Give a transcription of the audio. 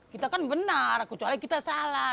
kita kan benar kecuali kita salah